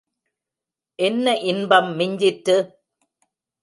என்ன இன்பம் மிஞ்சிற்று?